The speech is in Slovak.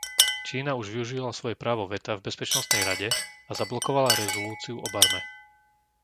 Čína už využila svoje právo veta v Bezpečnostnej rade a zablokovala rezolúciu o Barme.